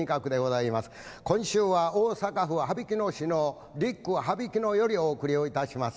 今週は大阪府羽曳野市のＬＩＣはびきのよりお送りをいたします。